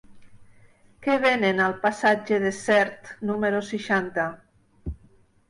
Què venen al passatge de Sert número seixanta?